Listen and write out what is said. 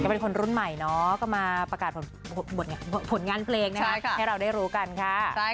เป็นคนรุ่นใหม่เนาะก็มาประกาศผลงานเพลงนะคะให้เราได้รู้กันค่ะ